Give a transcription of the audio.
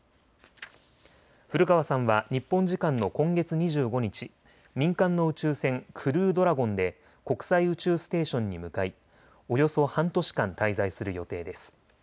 古川さんは日本時間の今月２５日、民間の宇宙船、クルードラゴンで国際宇宙ステーションに向かいおよそ半年間、滞在する予定です。